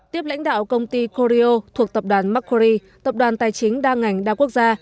tiếp lãnh đạo công ty corio thuộc tập đoàn macquarie tập đoàn tài chính đa ngành đa quốc gia